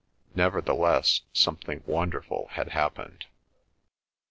Nevertheless something wonderful had happened.